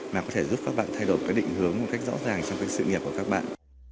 mà có thể giúp các bạn thay đổi cái định hướng một cách rõ ràng trong cái sự nghiệp của các bạn